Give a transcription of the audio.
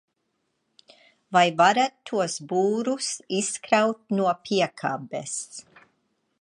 Vai varat tos būrus izkraut no piekabes?